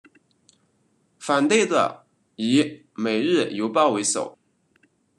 反对的以每日邮报为首。